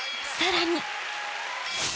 ［さらに］